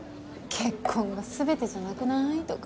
結婚が全てじゃなくない？とか。